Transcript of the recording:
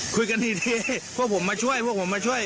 คุยกันทีพวกผมมาช่วยพวกผมมาช่วย